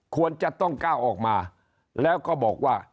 ควรจะต้องก้าวออกมาแล้วก็บอกว่า